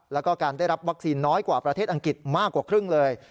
แล้วก็การได้รับวัคซีนน้อยกว่าประเทศอังกฤษมากกว่าครึ่งเลย